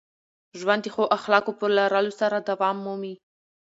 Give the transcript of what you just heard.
ژوند د ښو اخلاقو په لرلو سره دوام مومي.